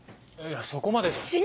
いやそこまでじゃ。